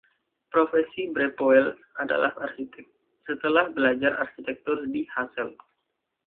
Profesi Brepoels adalah arsitek, setelah belajar arsitektur di Hasselt.